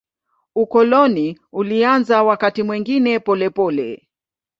Ukoloni ulianza wakati mwingine polepole.